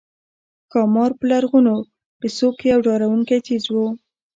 ښامار په لرغونو قصو کې یو ډارونکی څېز وو